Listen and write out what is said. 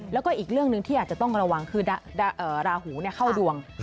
แล้วก็อีกเรื่องหนึ่งที่อาจจะต้องระวังคือราหูเข้าดวง